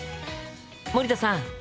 森田さん